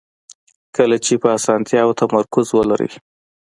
کله چې په اسانتیاوو تمرکز ولرئ.